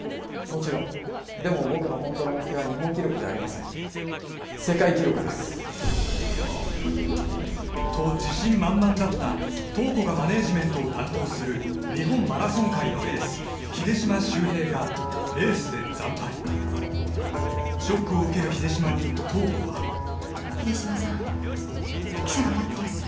もちろんでも僕のホントの目標は日本記録じゃありません世界記録ですと自信満々だった塔子がマネージメントを担当する日本マラソン界のエース秀島修平がレースで惨敗ショックを受ける秀島に塔子は秀島さん記者が待ってます